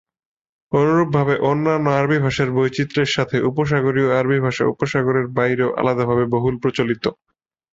অনুরূপভাবে অন্যান্য আরবী ভাষার বৈচিত্র্যের সাথে, উপসাগরীয় আরবি ভাষা উপসাগরের বাইরেও আলাদাভাবে বহুল প্রচলিত।